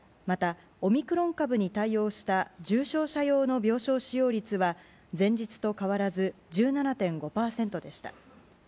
また、オミクロン株に対応した重症者用の病床使用率は前日と変わらず１７．５％でした。